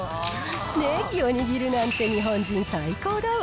ネギを握るなんて、日本人最高だわ。